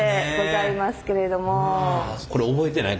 これ覚えてない？